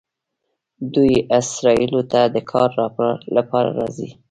دوی اسرائیلو ته د کار لپاره راځي.